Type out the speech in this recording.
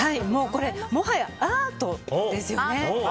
これ、もはやアートですよね。